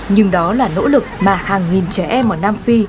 nhưng đó là nỗ lực mà hàng nghìn trẻ em ở nam phi